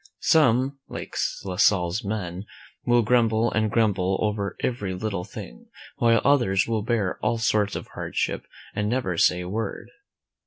Some, like La Salle's men, will grumble and grumble over every little thing, while others will bear all sorts of hardship and never say a word.